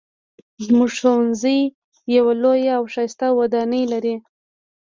زموږ ښوونځی یوه لویه او ښایسته ودانۍ لري